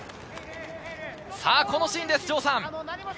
このシーンです、城さん。